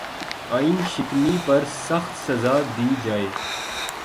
آئین شکنی پر سخت سزا دی جائے